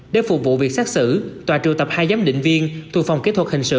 để phục vụ việc xét xử tòa trừu tập hai giám định viên thu phòng kỹ thuật hình sự